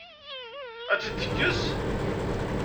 Ad tt-id-tekkes?